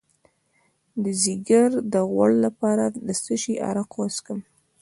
د ځیګر د غوړ لپاره د څه شي عرق وڅښم؟